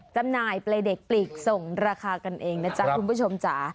จำหน่ายเปรย์เด็กปลีกส่งราคากันเองนะจ๊ะคุณผู้ชมจ๋า